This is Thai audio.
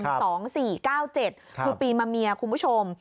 คือปีมาเมียคุณผู้ชม